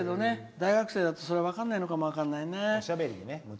大学生だと、それが分かんないのかも分かんないね。